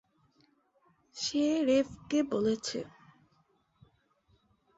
সে রেভকে বলেছে।